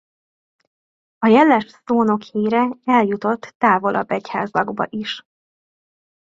A jeles szónok híre eljutott távolabb egyházakba is.